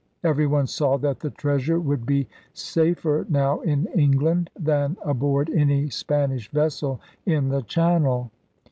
Everyone saw that the treasure would be safer now in England than aboard any Spanish vessel in the Channel.